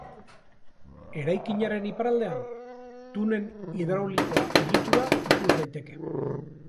Eraikinaren iparraldean, tunel hidraulikoaren egitura ikus daiteke.